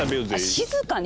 静かに！